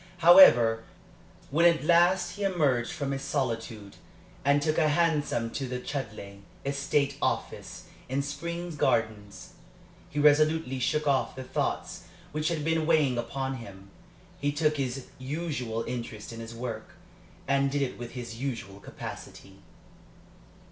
However, when at last he emerged from his solitude, and took a hansom to the Chudleigh estate office in Spring Gardens, he resolutely shook off the thoughts which had been weighing upon him. He took his usual interest in his work, and did it with his usual capacity.